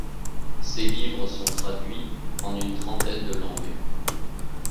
Ses livres sont traduits en une trentaine de langues.